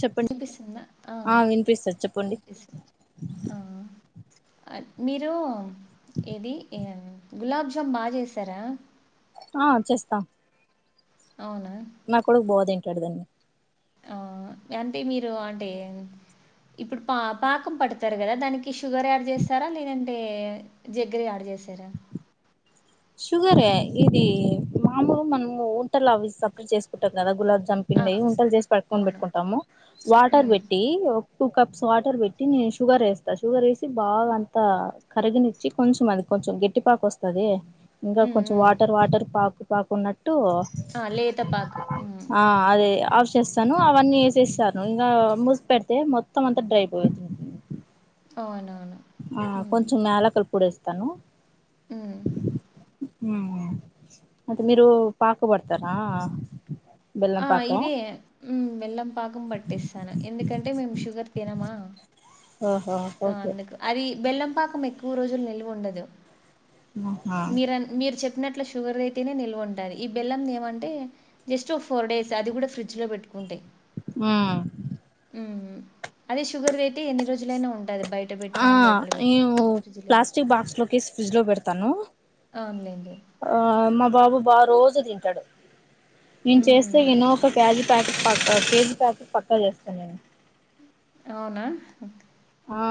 చెప్పండి సిపిసన్న ఆ వినిపిస్తది చెప్పండి మీరు ఏది గులాబ్జామ్ బాగా చేస్తారా ఆ చేేస్తా అవునా నా కొడుకు బో తింటాడు దాన్ని ఆ యాంటీ మీరు అంటే ఇప్పుడు పా పాకం పడతారు కదా దానికి షుగర్ యాడ్ చేస్తారా లేదంటే జగ్గరే యాడ్ చేసారా షుగరే ఇది మామూలు మనం వంటలు అవి సప్లై చేసుకుంటాం కదా గులాబ్ జ ఆ చంపిండ ఉంటలు చేసి పట్టుకొని అవును పెట్టుకుంటాము వాటర్ ఉమ్ పెట్టి టూ కప్స్ వాటర్ పెట్టి నేను షుగర్ వేస్తా షుగర్ వేసి బాగా అంతా కరిగని కొంచం అది కొంచం గట్టిపాకు వస్తాది ఇంకా ఉమ్ కొంచం ఉమ్ వాటర్ వాటర్ పాకు పాకు ఉన్నట్ టు ఆ లేత పాకు ఉమ్ ఆ అదే ఆఫ్ చేస్తాను అవన్నీ వేసేస్తాను ఇంకా మూసి పెడితే మొత్తం అంతా డ్రైపో అవునవును ఆ ఉమ్ కొంచం యాలకుల పొడి ఎస్తాను మ్ మ్మ్ అతే మీరు పాకుబడతారా ఇదే బెల్లం పాకం పట్టిస్తాను ఎందుకంటే మేము షుగర్ తినమా ఓహో సో ఓకే అందుకు అది బెల్లంపాకం ఎక్కువ రోజులు నిల్వు ఉండదు ఆహా మీర అన్ మీరు చెప్పినట్లు షుగర్ అయితేనే నిల్వ ఉంటుంది ఈ బెల్లం ఏమంటే టూ ఫోర్ డేస్ అది కూడా ఫ్రిడ్జ్ లో పెట్టుకుంటె మ్మ్ మ్మ్ అదే షుగర్ వియితే ఎన్ని రోజులైనా ఉంటది బయ ఆ నేను పెట్టినా ప్లాస్టిక్ బాక్స్ లోకేసి ఫ్రిడ్జ్ లో పెడతాను అవునులేండి ఆ మా బాబు బా రోజు తింటాడు నేను చేస్తే మ్మ్. ఎన్నో ఒక కేయాజీ ప్యాకెట్ పక్క కేజీ ప్యాకెట్ పక్కా చేస్తాను నేను అవునా ఆ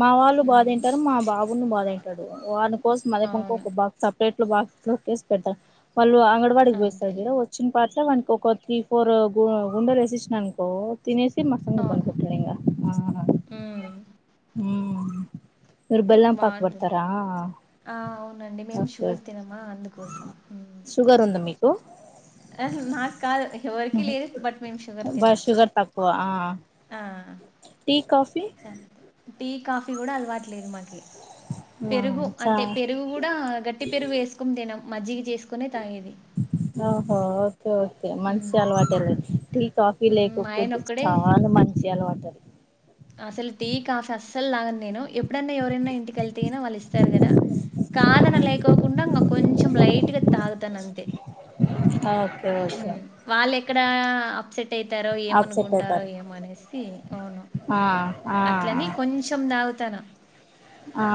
మా వాళ్ళు బా మ్మ్. తింటారు మా బాబును బా తింటాడు వాాడు కోసం మళ్ ఇంకో అవును ఒక బాక్స్ సెపరేట్ బాక్స్ కెసిపెడ్తా వాళ్ళు అంగన్వాడి కి పోయివస్తారు కదా అంతేలేండి వచ్చిన పాట్ల వానికి ఒక త్రీ ఫోర్ గుండలు వేసిఇచ్చినాననుకో తినేసీ మట్టసంగ పడుకుంటాడు ఇంగ మా నాన్న ఉమ్ హుమ్ మీరు బెల్లంపాక్ బాగుంటుంది పడతారా ఆ అవునండి మేం షుగర్ తినమా అందుకోసం హుమ్ షుగర్ ఉందా మీకు అహ నాకు కాదు ఎవరికి లేదు బట్ మేము షుగర్ తినం పో ఆ ఆ టీ కాఫీ టీ కాఫీ కూడా అలవాట్లేదు మాకి ఆ పెరుగు అంటే చ పెరుగు కూడా గట్టి ట్టి పెరుగు వేసుకుని తినం మజ్జిగ చేసుకునే తాగేది ఓహో ఓకే ఓకే మంచి ఉమ్ అలవాటేలేండి టీ కాఫీ టీ ఉమ్ మా ఆయన లేకపోతే ఒక్కడే చాలా మంచి అలవాటది అసలు టీ కాఫీ అస్సలు తాగను నేను ఎప్పుడన్నా ఎవరైనా ఇంటికి వెళ్తే అయినా వాళ్ళు ఇస్తారు కదా కాదన లేకోకుండా ఇంకా కొంచెం లైట్ గా తాగుతానంతే ఓకే ఓకే హుమ్ వాళ్ళ ఎక్కడ అప్సెట్ అయితారో అప్సెట్ ఏమనుకుంటారో అయితారు ఏమోఅనేసి అవును ఆ ఆ అట్లని కొంచెం తాగుతాను ఆ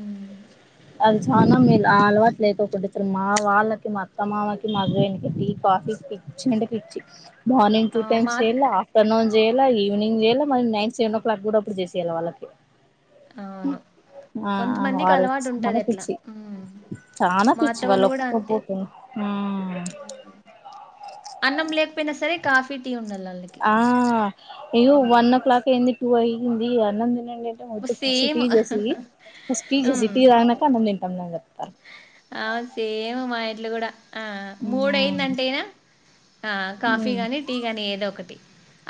ఉమ్ అవి చనా మేలు ఆ అలవాటు లేకోకుండా మా వాళ్ళకి మా అత్త మామకి మా హస్బెండ్ కి టీ కాఫీ పి చనగా పిట్టి మార్నింగ్ ఆ టూ టైమ్స్ మా చేయల ఆఫ్టర్ నున్ చేయాల ఈవినింగ్ చేయాల మళ్ళీ నైట్ సెవెన్ ఓ క్లాక్ కూడా అప్పుడు చేసయాల వాళ్ళకి అవును ఆ కొంతమందికి వారు అలవాటు చాన ఉంటది అట్లా పిచ్చి హ్మ్ చాన మా పిచ్చి అత్త వాళ్ళు కూడా అంతే ఒప్పుకోకపోతే హుమ్ హ్మ్ అన్నం లేకపోయినా సరే కాఫీ టీ ఉండాల వాళ్ళకి ఆ అయ్యో వన్ ఓ క్లాక్ అయింది టూ అయ్యింది అన్నంతినండి అని వద్దు ఫస్ట్ సేమ్ టీ చేసిఇయ్యి ఫస్ట్ టీ చేసి హ్మ్ టీ తాగినక అన్నం తింటం అని చెప్తారు ఆ సేమ్ మా ఇంట్లో కూడా ఆ మూడు అయింది అంటే నా ఆ కాఫీ గాని టీ గానీ ఏదో ఒకటి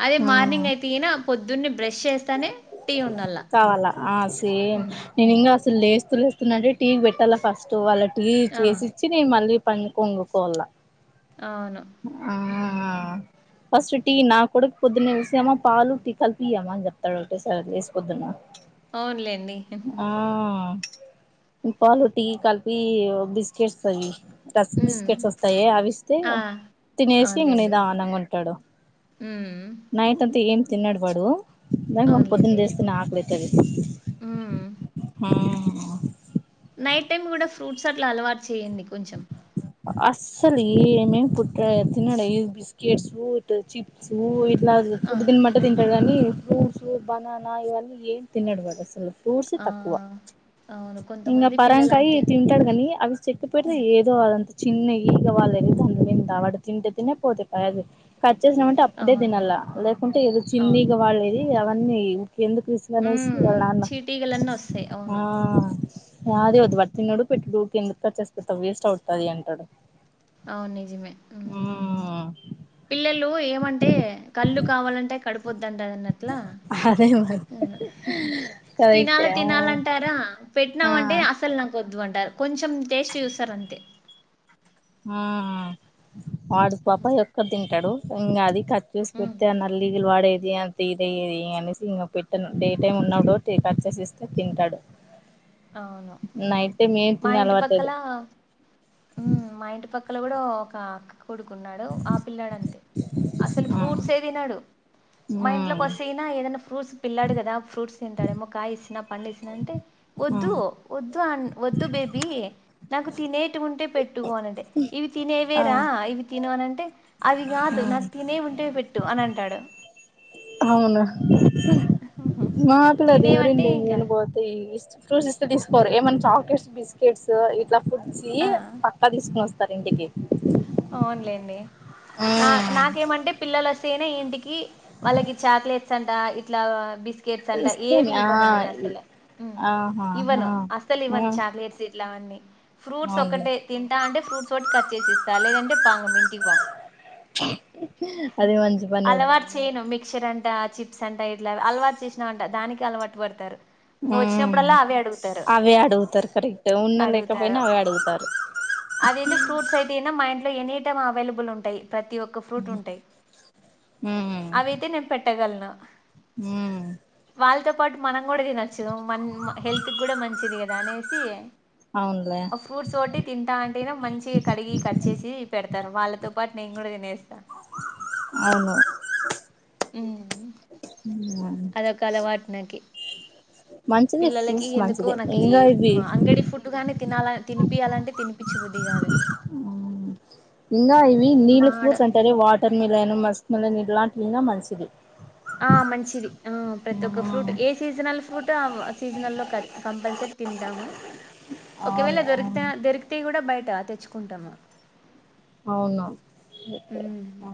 అదే ఆ మార్నింగ్ అయితే ఈయన పొద్దున్నే బ్రష్ చేస్తేనే టీ ఉండాల కావాలా ఆ సేమ్ హ్మ్ నేను ఇంకా అసలు లేస్తూ లేస్తునే అంటే టీ పెట్టాలా ఫస్ట్ వాళ్ళ టీ ఆ ఇచ్చేసి నేను మళ్ళీ పని కి వంగుకోవల అవును ఆ హ్మ్ ఫస్ట్ టీ నా కొడుకు పొద్దున్న లేసమ పాలు టీ కలిపియమ్మ అని చెప్తాడు ఒకేసారి లేసి పొద్దున్న అవునులేండి ఉమ్ పాలు టి కలిపి బిస్కెట్స్ తో ఇయి రస్క్ హ్మ్ బిస్కెట్స్ వస్తాయే అవి ఇస్తే ఆ తినేసి ఇంక అవునులేండి నిధానంగ ఉంటడు హ్మ్ నైట్ అంత ఏం తినడు వాడు దానికి పొద్దున అవునులేండి. లేస్తనే ఆకలిఅయితాది హ్మ్. హుమ్ నైట్ టైం కూడా ఫ్రూట్స్ అట్లా అలవాటు చేయయండి కొంచెం అస్సలు ఏమేమి కుట్ర తినడు బిస్కెట్స్ చిప్ నువ్ ఇట్లా ఆ! ఫుడ్ తిన్మంట్ తింటడు గాని ఫ్రూట్సు బననా ఇవన్నీ ఎం తినడు వాడు అసలు ఫ్రూట్స్ ఆ! తక్కువ అవును. ఇంకా కొంతమంది పరంకాయ పిల్లలంతే. తింటడు కానీ అవి చెక్కిపేడితే హ్మ్. ఏదో అదంత చిన్న ఈగ వాలేదితే అంతే ఇంక వాడుతింటే తినే పోతే పయా ఆది కట్ చేసినమంటే ఇప్పుడే అవునులే. తినాల లేకుంటే ఏదో అవును. చిన్నిగా వాళ్ళేది అవన్నీ ఇంక ఎందుకు ఇస్క్ మనేసి హ్మ్. వాళ్ళనాన్న చీటీగలన్నొస్తాయి. అవును. ఆ శారీ హ్మ్. వచ్చి పట్టుకున్నోడు పెట్టి దూకిండు టచ్చేసి పెడితే వేస్ట్ అవుతది అంటడు అవును నిజమే పిల్లలు ఏమంటే కల్లు కావాలంటే కడుప్ వొద్దంటదండి అట్ల అదే మరి తినాల కరెక్టే తినాలంటారా ఆ పెట్టినామంటే అసల్ నాక్ వద్దు అంటారు కొంచెం టేస్ట్ చూస్తరు అంతే ఆ వాడు పాప హ్మ్. ఎక్కువ తింటడు ఇంగ అది కట్ చేసి హ్మ్. పెడితే నల్ దిగులు వడేది అంత ఇదయ్యేది అనేసి ఇంక పెట్టను డే టైమ్ ఉన్నప్పుడు కట్ చేసి ఇస్తే తింటాడు అవును నైట్ టైం ఏం మా తినే ఇంటి అలవాట్లేదు పక్కలా ఉమ్మ్ మా ఇంటి పక్కల కూడా ఒక కొడుకున్నాడు ఆపిల్లాడు అంతే అసలు ఆ ఫ్రూట్స్ ఏ తినడు మా ఇంట్లోకి ఉమ్ ఒస్తే ఏదైనా ఫ్రూట్స్ పిల్లాడు కదా ఫ్రూట్స్ తింటాడేమో కాయ్ ఇచ్చిన పండేసిన అంటే వద్దు ఉమ్ వద్దు అన్ వద్దు బేబీ నాకు తినేటివి ఉంటే పెట్టు అనది ఇవి ఆ తినేవేరా ఇవి తిను అనంటే అవి కాదు ఉమ్ నాకు తినేవి ఉంటేవి పెట్టు అని అంటాడు అవును మా తినేవంటే పిలాదివరిండె ఇంకా అనుబొతు ఈ ఫ్రూట్స్ ఇస్తే తీసుకోరు ఏమన్నా చాక్లెట్స్ బిస్కెట్స్ ఇట్ల ఫుడ్ చి ఆ ఇంకా తీసుకుని వస్తరు ఇంటికి అవునులేండి నా ఉమ్ నాకేమంటే పిల్లలు వస్తేనే ఇంటికి వాళ్ళకి చాక్లెట్స్ అంట ఇట్ల బిస్ క్లేట్స్ అంట ఏవి ఇస్తేనా ఇవ్వను నేను అసలు ఉం ఆహా ఇవ్వను అసలు ఆ ఇవ్వను చాక్లెట్స్ ఫ్రూట్స్ అవునులే ఒకటే తింటా అంటే ఫ్రూట్స్ ఒకటి కట్ చేసి ఇస్తా లేదంటే పాంగ ఇంటికి పం అదే మంచి పని ఉన్ అలవాటు చేయను మిక్చర్ అంట చిప్స్ అంట ఇట్లవి అలవాటు చేసినవంటె దానికి అలవాటు పడతరు ఉమ్మ్ అవే అడుగుతరు కరెక్ట్ ఉన్నలేకపోయినా అవె అడుగుతారు అదయితే ఫ్రూట్స్ అయితే నా మా ఇంట్లో ఎనీ టైమ్ అవైలబుల్ ఉంటాయి ప్రతి ఒక్క ఫ్రూట్ ఉంటాయి మ్మ్ అవయితే నేను పెట్టగలను ఉమ్మ్ వాళ్ళతో పాటు మనం కూడ తినచ్చు మన హెల్త్ కూడ మంచిది కదా అనేసి అవునులే ఫ్రూట్సో టి తింటా అంటే మంచి కడిగి కట్ చేసి పెడతరు వాళ్ళతో పాటు నేను కూడ తినేస్తాను అవును ఉమ్మ్ ఉ అదొక అలవాట్ నకి మంచిది పిల్లలకి ఫ్రూట్స్ ఎందుకో మంచిది నాకి ఇంకా ఏం ఇవి అంగడికి ఫుడ్టుగాని తినాల తినిపియాలంటే తినిపించి బుద్ది కాదు. ఇంగా ఇవి నీళ్ళ మాడ ఫ్లూట్స్ అంటారే what watermelon muskmelon ఇలాంటివి ఇంగా మంచిది. ఆ మంచిది ఆ ప్రతి ఒక్క ఫ్రూట్ ఏ సీజనల్ ఫ్రూట్ అవ్ ఆ సీజనల్లో కమ్ కంపల్సరీ తింటాము. ఒకవేళ అవును దరికితె అవును దొరికితే కూడా బయట తెచ్చుకుంటాము. అవునా అయితే ఉమ్ ఆ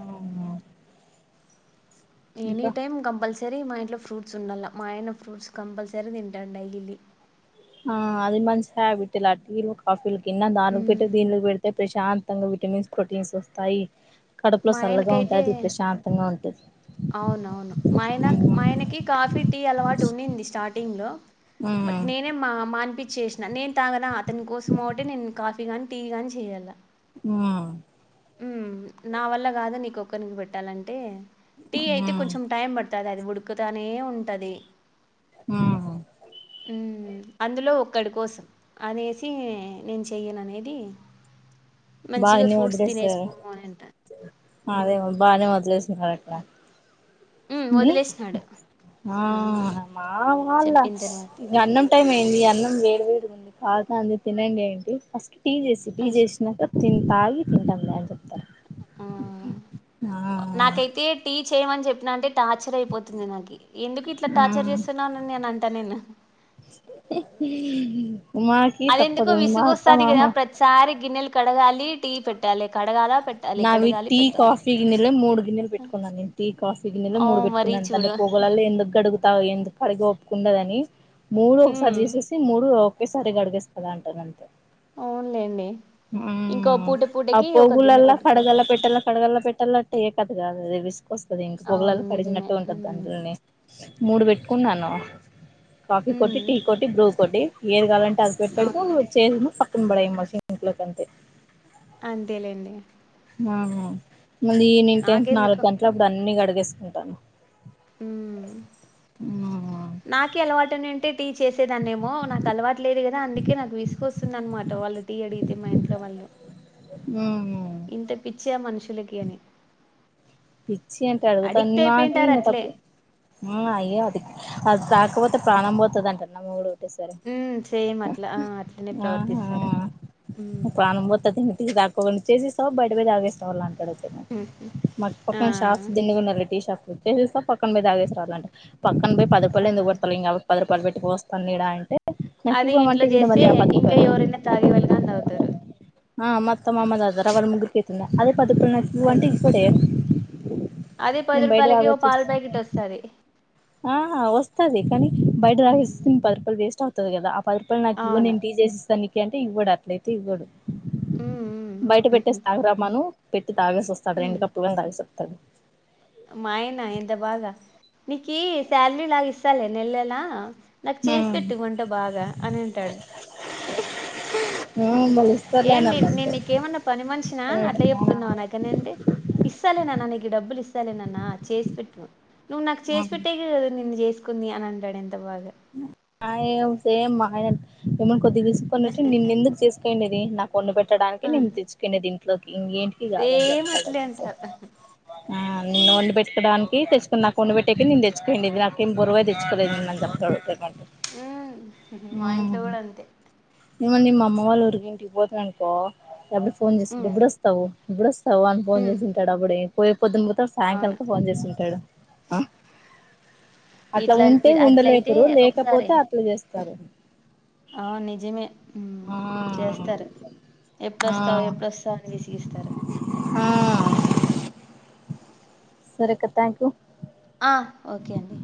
ఎనీ ఇంకా టైం కంపల్సరీ మా ఇంట్లో ఫ్రూట్స్ ఉండల్లా మా ఆయన ఫ్రూట్స్ కంపల్సరీ తింటాడు డైలీ. ఆ అది మంచి హ్యాబిట్లె ఆ టీలు కాఫీలు కన్నా దానికి హ్మ్. పెట్టెది దీన్లకి పె యితే ప్రశాంతంగా విటమిన్స్ ప్రోటీన్స్ వస్తాయి, కడపులో మా సల్లగా ఆయనకైతే ఉంటాది ప్రశాన్ ఉమాంతు అవునవును మా ఆయన మా ఆయనకి కాఫీ టీ అలవాటు ఉన్నింది స్టార్టింగ్లో. బట్ ఉమ్ నేన్ మా మానిపించేసినా నేను తాగనా అతని కోసం ఒకటే నేను కాఫీ గాని టీ గాని చేయలా. ఉ ఉమ్ నా వల్ల కాదు నీకొక్కరినికి పెట్టాలంటే టీ ఉమ్ అయితే కొంచెం టైం పడుతది అది ఉడుకుతానే ఉంటాది. ఉ ఉ అందులో ఒక్కడి కోసం అనేసి నేను చెయ్యను అనేది మంచిగా బాగానే ఫ్రూట్స్ తినేసి వదిలేసారు పోమని అంటా అదే వదిలేసి గట్లా ఉమ్ నే వదిలేసినాడు ఉమ్ ఆహా మా వాళ్ళ చెప్పిన తర్వాత ఇంగా అన్నం టైం అయిందిగా అన్నం వేడి వేడిగా ఉంది కాలతాంది తినేకిపోయింటి ఫస్ట్. టీ చేసి టీ చేసినాక తిన్ తాగి తింటాలే అని చెప్ ఆ ఆ నాకైతే టీ చేయమని చెప్పినా అంటే టార్చర్ అయిపోతుంది నాకి, ఎందుకు ఇట్లా టార్చర్ చేస్తున్నావ్ నన్ని అని అంటా నేను. హి హి హి మాట్ అది ఎందుకో విసుగొస్తాది కదా ప్రతిసారి గిన్నెలు కడగాలి టీ పెట్టాలి కడగాలా పె నావి టీ కాఫీ గిన్నెలే మూడు గిన్నెలు పెట్టుకున్నాను నేను టీ కాఫీ గిన్నెలే ఓ మూడు పెట్టు మరీ కున్నాను దాన్ని చూడు పోగలల్లా ఎందుకు గడుగుతావు ఎందుకు కడిగే ఓపికా ఉండదని మూడు ఉమ్ ఒకసారి చేసే కొని మూడు ఒకేసారి గడిగేస్తు కదా అంటారు నన్ని అవునులేండి ఉ ఇంకో పూట ఆ పూటకి ఒక గిన్నె పొగులల్లా పెట్టుకో కడగల్ల పెట్టల్లా కడగల్లా పెట్టలంటే అయ్యే కథ కాదు అది విసుకొస్తుది ఇంక పొగలల్లా అవును నిజమే కడిగినటే ఉంటాది ఉమ్ దాన్ని. మూడు పెట్టుకున్నాను కాఫీ ఉమ్ కొటి టీ కొటి బ్రూ కొటి ఏది కావాలంటే అద్ పెట్టెడము అవును చేయడము పక్కన పడేయడము ఆ సింక్లోకి అంతే. అంతేలేండి నహు ముందు ఈవినింగ్ టైమ్ నాలుగు నాకెందుకు గంటలకి అప్పుడు అన్ని కడిగేసుకుంటాను. ఉ నాకే అలవాటు వున్నిన్ అంటే టీ చేసేదాన్నేమో నాకు అలవాటు లేదు కదా అందుకే నాకు వినుగొస్తుంది అనమాట వాళ్ళు టీ అడిగితే మా ఇంట్లో వాళ్ళు. [inaudible] ఉ ఇంత పిచ్చ మనుషులకి అని పిచ్చి అంటే అడుగుతాంది అడిక్ట్ నాకి అయిపోయింటారు ఇంకా అట్లే తప్పు ఉ అయ్యో అది అది తాకపోతే ప్రాణం పోతాదంట నా మొగుడు ఒకటే సరే హు సేమ్ అట్లా అట్లనే ప్రవర్తిస్తారు ఉం మొత్త తిన్ని టీ తాక్కండా చేసేస్తావు బయటపొయ తాగేస్తావా అంటాడునమాట మాకు ఆ పక్కన షార్స్ దిండి గా ఉండాదిలే టీ షాపు చేసేస్తా పక్కన మీద తాగిస్తావాలంటే పక్కన పోయి పది ఆ రూపాయలు ఎందుకుడతారు ఇంకాట్టి పది రూపాయలు పెట్టికి పొస్తా వీడ అంటే నాకు అది ఇంట్లో ఇవ్వమంటే ఈడ చేస్తే మళ్ళీ ఆ పది ఇంకా రూపాయలు ఎవరైనా తాగేవాళ్ళగాను అంద అవుతారు ఆ మొత్తం అమ దాదర వాళ్ల ముగ్గురికి అతుంది అదే రూపాయలు ను అంటే అదే ఇస్తాడే అది పది రూపాయలకి ఓ తాగొచ్చి పాలు ప్యాకెట్ వస్తాది ఆ వస్తది కానీ బయట తాగేస్తుని పది రూపాయలు వేస్ట్ అవుంది కదా ఆ పది రూపాయలు నాకు అవును ఇవ్వునేను టీ చేసి ఇస్తా నీకు అంటే ఇవ్వడు అట్లయితే ఇవ్వడు మ్మ్ బయట మ్మ్ పెట్టేసి తాగరామ్మాను పెట్టి తాగేసి వస్తాడు రెండు కప్పులు ని తాగేసి వస్తాడు మాయనా ఎంత బాగా నీకి శాలరీ లాగా ఇస్తాలే నెల నెల నాకు చేసి మ్మ్ పెట్టు వంట బాగా అని అంటాడు [inaudible] వాళ్ళు ఇస్తారులే అని అన్నా ఏంటినేను అంతే నీకేమన్నా పని మనిషినా అట్లా చెప్తున్నా నోనో క నేనండీ ఇస్తాలేనన్న నీకు డ బ్బులు ఇస్తాలేనన్న చేసి పెట్టు నువ్వు నాకు చేసి పెట్టే క కదా నిన్ను చేసుకుంది అని అంటాడు ఎంత బాగా ఆ ఏ సేమ్ ఆయన ఏమని కొద్ది తీసుకున్నట్ే నిన్న ఎందుకు చేసుకోయండి అది నా వండి పెట్టడానికి ఆ నిన్ను తెచ్చుకున్నది ఇంట్లోకి ఇంక దేనికి కాదని సేమ్ చెప్తాడు అట్లే అంటారు ఆ నిన్నను వండి పెట్టుకోడానికి తెచ్చుకుని నాకు వండి పెట్టేకి నిన్ను తెచ్చుకోండి ఇది నాకేం బోరువై తెచ్చుకోలేదున్నంత తొడుత కంట ఉం ఉ ఇగొండి మా అమ్మ వాళ్ళుఊరికి ఇంటికి పోతున్నానుకో ఎప్పుడు ఫోన్ చేసడు ఉమ్ ఎప్పుడుస్తావు ఎప్పుడు వస్తావు అని ఫోన్ ఉమ్ చేసింటాడు అప్పుడే పోయే పొద్దున పోతావ అవును సాయంకాలిక ఫోన్ చేసింటాడు అట్లా ఇట్లా ఉంటే ఇ- అట్లయితే ఉండలేకరు ఒకసారి లేకపోతే అట్లా చేస్తారు అవును నిజేమే ఆ చేస్తారు ఆ ఎప్పుడోస్తావుో ఎప్పుడుొస్తావు అని విసిగిస్తారు ఆ సరేక్కథ్యాంక్ యూ ఆ ఓకే అండి